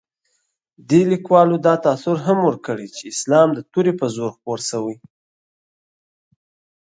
دې لیکوالو دا تاثر هم ورکړ چې اسلام د تورې په زور خپور شوی.